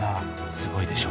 すごいでしょ？